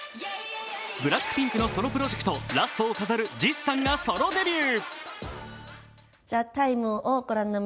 ＢＬＡＣＫＰＩＮＫのソロプロジェクト、ラストを飾るＪＩＳＯＯさんがソロデビュー。